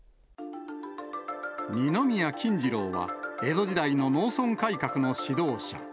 二宮金次郎は、江戸時代の農村改革の指導者。